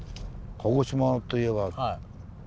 鹿児島といえば。